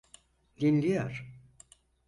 Dinliyor.